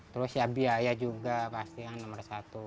terus ya biaya juga pasti yang nomor satu